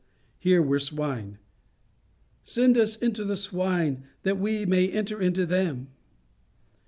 Here were swine. "Send us into the swine, that we may enter into them."